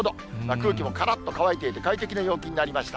空気もからっと乾いていて、快適な陽気になりました。